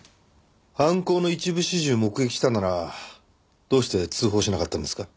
犯行の一部始終を目撃したならどうして通報しなかったんですか？